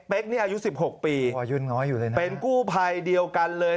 เป๊กนี่อายุ๑๖ปีเป็นกู้ไพเดียวกันเลย